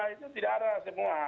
itu tidak ada semua